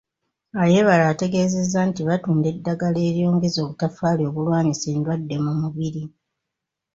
Ayebare ategeezezza nti batunda ddagala eryongeza obutafaali obulwanyisa endwadde mu mubiri.